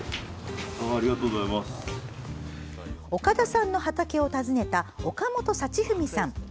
岡田さんの畑を訪ねた岡本幸史さん。